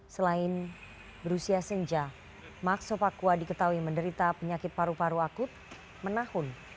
selain berusia senja maxo pakua diketahui menderita penyakit paru paru akut menahun